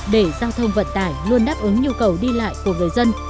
để giao thông vận tải luôn đáp ứng nhu cầu đi lại của người dân